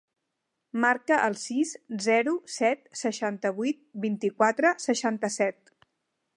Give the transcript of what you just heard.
Marca el sis, zero, set, seixanta-vuit, vint-i-quatre, seixanta-set.